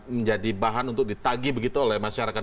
menjadi bahan untuk ditagi begitu oleh masyarakat